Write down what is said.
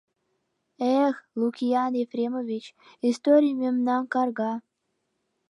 Эх, Лукиан Ефремович, историй мемнам карга.